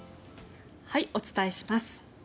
お伝えします。